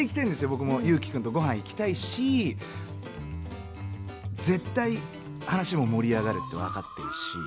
僕も裕貴君とごはん行きたいし絶対、話も盛り上がるって分かってるし。